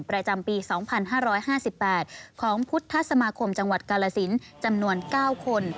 ประจำปี๒๕๕๘ของพุทธสมาคมจังหวัดกาลสินจำนวน๙คน